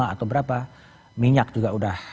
atau berapa minyak juga udah